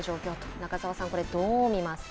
中澤さん、どう見ますか。